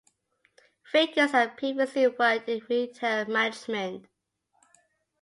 Vickers has previously worked in retail management.